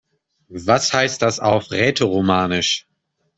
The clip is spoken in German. Was heißt das auf Rätoromanisch?